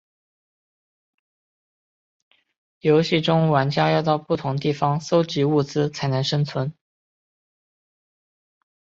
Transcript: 游戏中玩家要到不同地方搜集物资才能生存。